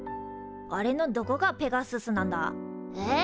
あれのどこがペガススなんだ？え？